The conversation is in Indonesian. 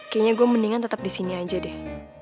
kayaknya gue mendingan tetap di sini aja deh